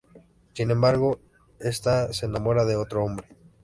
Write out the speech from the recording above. Sin embargo esta se enamora de otro hombre.